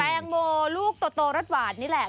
แตงโมลูกโตรสหวานนี่แหละ